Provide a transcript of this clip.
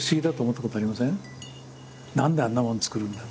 何であんなもの作るんだ？